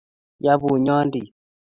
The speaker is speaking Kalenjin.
ya bunyondit